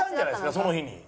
その日に。